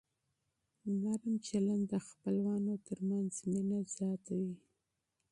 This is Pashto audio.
صله رحمي د خپلوانو ترمنځ مینه زیاتوي.